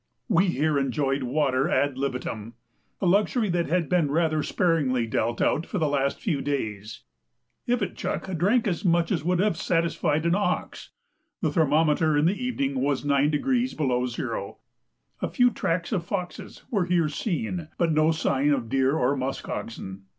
We here enjoyed water ad libitum, a luxury that had been rather sparingly dealt out for the last few days. Ivitchuk drank as much as would have satisfied an ox. The thermometer in the evening was 9° below zero. A few tracks of foxes were here seen, but no signs of deer or musk oxen.